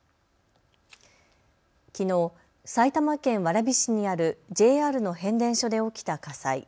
きのう埼玉県蕨市にあるＪＲの変電所で起きた火災。